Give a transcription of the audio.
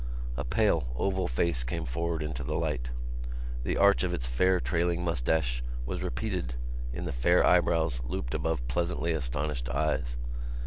A pale oval face came forward into the light. The arch of its fair trailing moustache was repeated in the fair eyebrows looped above pleasantly astonished eyes.